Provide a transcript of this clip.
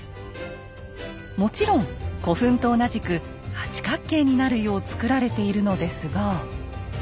もちろん古墳と同じく八角形になるようつくられているのですが。